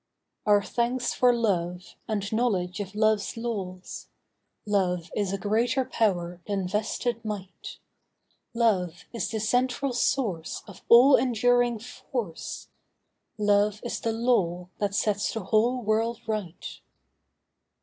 Our thanks for love, and knowledge of love's laws. Love is a greater power than vested might. Love is the central source of all enduring force. Love is the law that sets the whole world right.